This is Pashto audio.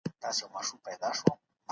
د ترانسپورتي اصولو او مقرراتو اطاعت وکړئ.